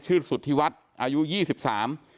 สุธิวัฒน์อายุยี่สิบสาม